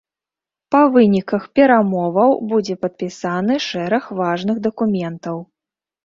Па выніках перамоваў будзе падпісаны шэраг важных дакументаў.